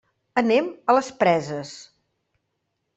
Anem a les Preses.